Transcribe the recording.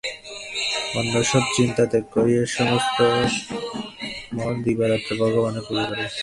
অন্য সব চিন্তা ত্যাগ করিয়া সমস্ত মন দিয়া দিবারাত্র ভগবানের পূজা করা উচিত।